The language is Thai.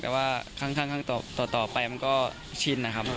แต่ว่าข้างต่อไปมันก็ชินนะครับ